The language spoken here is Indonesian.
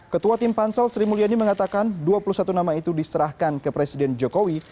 ketua tim pansel sri mulyani mengatakan dua puluh satu nama itu diserahkan ke presiden jokowi